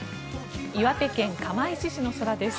岩手県釜石市の空です。